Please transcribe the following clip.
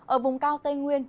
ở vùng cao tây nguyên